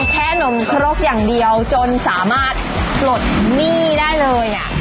แค่หนมครกอย่างเดียวจนสามารถหลดหนี้ได้เลยอ่ะ